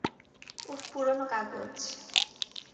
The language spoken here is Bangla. উহ, পুরোনো কাগজ।